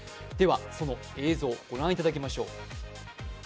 その映像ご覧いただきましょう。